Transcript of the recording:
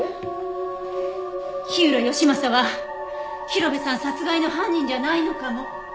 火浦義正は広辺さん殺害の犯人じゃないのかも。